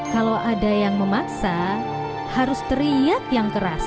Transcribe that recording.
kalau ada yang memaksa harus teriak yang keras